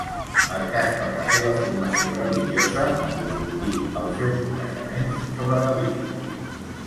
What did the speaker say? Marcat per la seva formació religiosa, aprofundí els seus coneixements sobre la Bíblia.